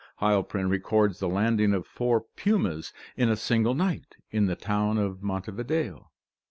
Heilprin records the landing of four pumas in a single night in the town of Montevideo.